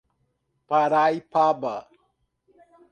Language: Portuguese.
Paraipaba